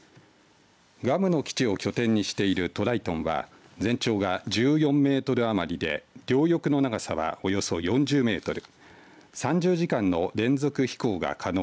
グアムの基地を拠点にしているトライトンは全長が１４メートル余りで両翼の長さはおよそ４０メートル。